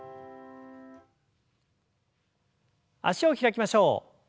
脚を開きましょう。